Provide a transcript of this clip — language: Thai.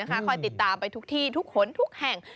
ค่อยติดตามไปทุกที่ทุกคนทุกแห่ง